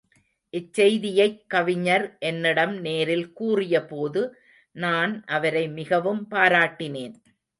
இச்செய்தியைக் கவிஞர் என்னிடம் நேரில் கூறியபோது நான் அவரை மிகவும் பாராட்டினேன்.